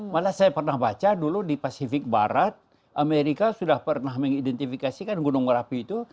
malah saya pernah baca dulu di pasifik barat amerika sudah pernah mengidentifikasikan gunung merapi itu